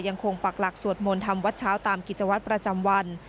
ปักหลักสวดมนต์ทำวัดเช้าตามกิจวัตรประจำวัน